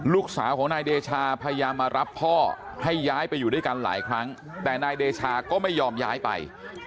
ลูกสาวของนายเดชาพยายามมารับพ่อให้ย้ายไปอยู่ด้วยกันหลายครั้งแต่นายเดชาก็ไม่ยอมย้ายไป